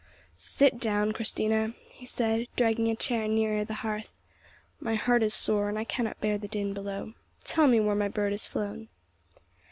"Sit down, Christina," he said, dragging a chair nearer the hearth. "My heart is sore, and I cannot bear the din below. Tell me where my bird is flown."